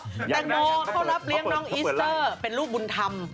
แตงโมเขารับเลี้ยงน้องอิสเตอร์เป็นลูกบุญธรรม